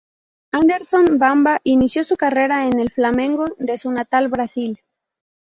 Anderson Bamba inició su carrera en el Flamengo de su natal Brasil.